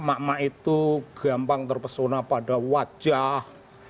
mak mak itu gampang terpesona pada wajah